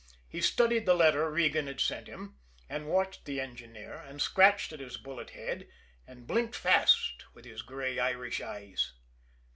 He studied the letter Regan had sent him, and watched the engineer, and scratched at his bullet head, and blinked fast with his gray Irish eyes.